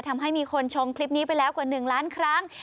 ทำให้มีคนชมคลิปนี้ไปแล้วกว่า๑ล้านครั้ง